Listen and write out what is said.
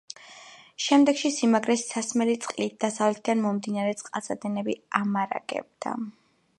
შემდეგში სიმაგრეს სასმელი წყლით დასავლეთიდან მომდინარე წყალსადენი ამარაგებდა.